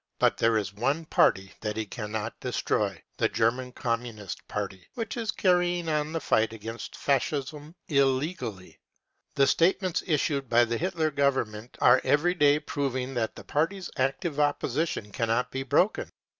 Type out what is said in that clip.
But there is one party that he cannot destroy : the German Communist Party, which is carrying on the fight against Fascism illegally. The statements issued by the Hitler Government are every day proving that this party's active opposition cannot be broken.